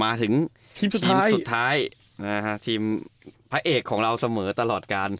มาถึงทีมสุดท้ายทีมพระเอกของเราเสมอตลอดการ